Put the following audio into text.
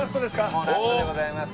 もうラストでございます。